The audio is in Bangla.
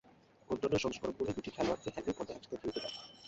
অন্যান্য সংস্করণগুলি দুটি খেলোয়াড়কে একই পর্দায় একসাথে খেলতে দেয়।